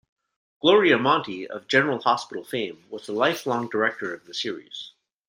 Gloria Monty, of "General Hospital" fame, was a longtime director of the series.